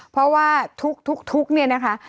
เพราะว่าทุกข์ทุกข์ทุกข์เนี่ยนะคะ